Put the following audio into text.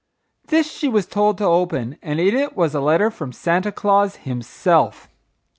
This she was told to open and in it was a letter from Santa Claus himself.